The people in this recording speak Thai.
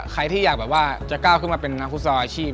ใครที่อยากแบบว่าจะก้าวขึ้นมาเป็นนักฟุตซอลอาชีพ